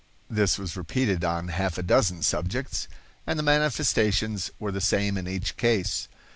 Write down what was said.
This was repeated on half a dozen subjects, and the manifestations were the same in each case.